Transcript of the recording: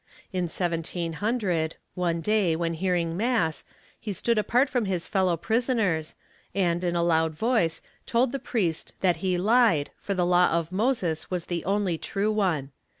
In 1700, one day, when hearing mass, he stood apart from his fellow prisoners and, in a loud voice, told the priest that he lied for the Law of Moses was the only true one.